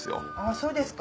そうですか。